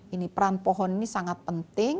ini peran pohon ini sangat penting